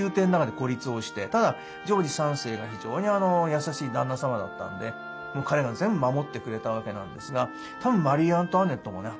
ただジョージ３世が非常に優しい旦那様だったので彼が全部守ってくれたわけなんですがたぶんマリー・アントワネットもね